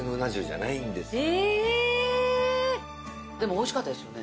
でもおいしかったですよね？